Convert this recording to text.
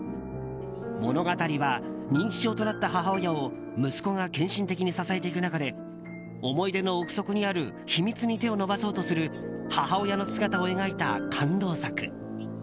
物語は、認知症となった母親を息子が献身的に支えていく中で思い出の奥底にある秘密に手を伸ばそうとする母親の姿を描いた感動作。